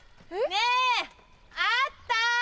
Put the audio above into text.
ねぇあった？